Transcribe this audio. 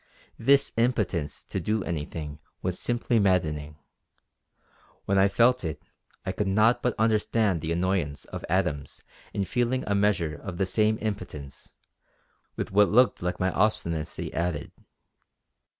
This impotence to do anything was simply maddening; when I felt it I could not but understand the annoyance of Adams in feeling a measure of the same impotence, with what looked like my obstinacy added.